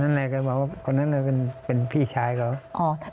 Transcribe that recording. นั่นแหละก็บอกว่าคนนั้นเลยเป็นพี่ชายเขา